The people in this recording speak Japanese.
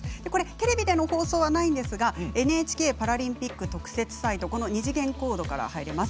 テレビでの放送はないんですがＮＨＫパラリンピック特設サイト二次元コードから入れます。